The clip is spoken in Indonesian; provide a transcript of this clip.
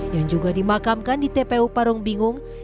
yang juga dimakamkan di tpu parung bingung